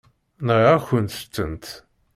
Nɣiɣ-akent-tent.